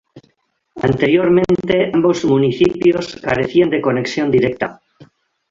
Anteriormente ambos municipios carecían de conexión directa.